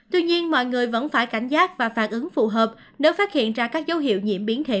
tuy nhiên mọi người vẫn phải cảnh giác và phản ứng phù hợp nếu phát hiện ra các dấu hiệu nhiễm biến thể